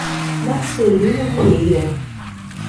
Marcelino Vieira